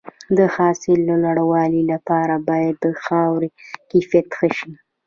د حاصل د لوړوالي لپاره باید د خاورې کیفیت ښه شي.